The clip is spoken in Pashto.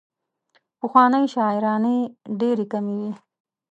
پخوانۍ شاعرانې ډېرې کمې وې.